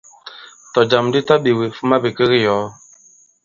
Tɔ̀jàm di taɓēwe, fuma bìkek i yɔ̀ɔ.